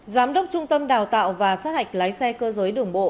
giám đốc trung tâm đào tạo và sát hạch lái xe cơ giới đường bộ